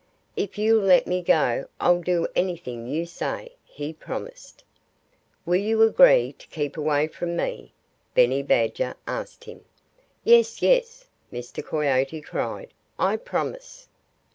"If you'll let me go I'll do anything you say," he promised. "Will you agree to keep away from me?" Benny Badger asked him. "Yes! Yes!" Mr. Coyote cried. "I promise!"